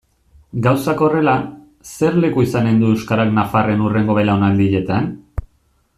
Gauzak horrela, zer leku izanen du euskarak nafarren hurrengo belaunaldietan?